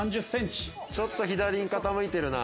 ちょっと左に傾いてるな。